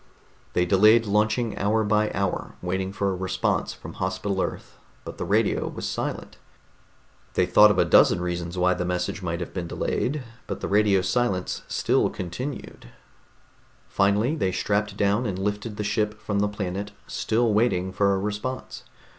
They delayed launching hour by hour waiting for a response from Hospital Earth, but the radio was silent. They thought of a dozen reasons why the message might have been delayed, but the radio silence continued. Finally they strapped down and lifted the ship from the planet, still waiting for a response.